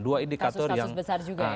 kasus kasus besar juga ya